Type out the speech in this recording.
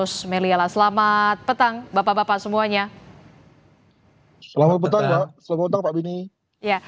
selamat petang pak beni